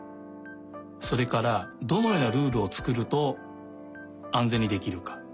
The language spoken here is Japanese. それからどのようなルールをつくるとあんぜんにできるか。